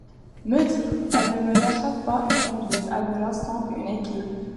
Me dit :— Elle ne me rachète pas une conduite, elle me rassemble une équipe.